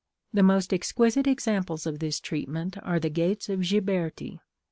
The most exquisite examples of this treatment are the gates of Ghiberti.